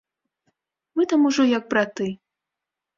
Мы там ужо як браты.